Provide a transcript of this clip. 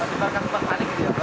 tapi bakar bakar panik gitu ya pak